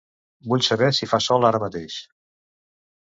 Vull saber si fa sol ara mateix.